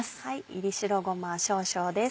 炒り白ごま少々です。